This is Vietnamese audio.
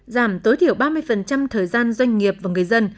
giảm tối thiểu ba mươi thời gian doanh nghiệp và người dân